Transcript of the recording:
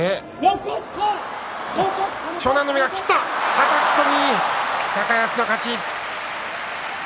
はたき込み、高安の勝ち。